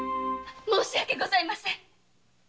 申し訳ございません。